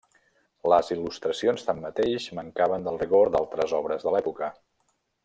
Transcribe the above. Les il·lustracions, tanmateix, mancaven del rigor d'altres obres de l'època.